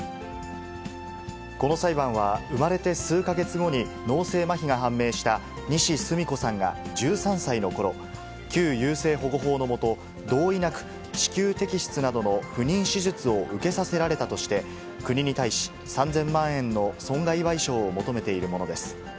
この裁判は、生まれて数か月後に脳性まひが判明した西スミ子さんが、１３歳のころ、旧優生保護法の下、同意なく子宮摘出などの不妊手術を受けさせられたとして、国に対し、３０００万円の損害賠償を求めているものです。